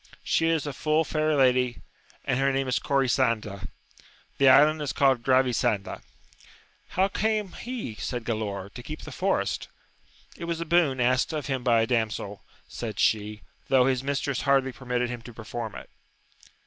She is a full fair lady, and her name Corisanda ; the island is called Gravi sanda. How came he, said Galaor, to keep the forest? It was a boon asked of him by a damsel, said she, tho' his mistress hardly permitted him to perform it.